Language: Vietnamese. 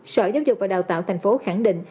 sở giáo dục và đào tạo thành phố khẳng định